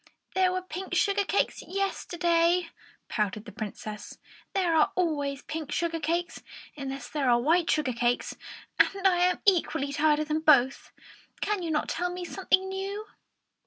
"There were pink sugar cakes yesterday," pouted the Princess. "There are always pink sugar cakes unless there are white sugar cakes, and I am equally tired of them both. Can you not tell me something new?"